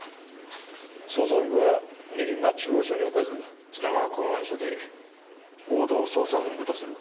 捜査本部は練馬中央署に置かず品川港湾署で合同捜査本部とする。